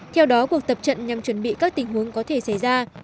theo đó cuộc tập trận nhằm chuẩn bị các tình huống có thể xảy ra